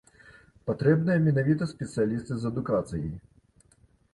Патрэбныя менавіта спецыялісты з адукацыяй.